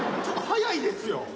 ちょっと早いですよ。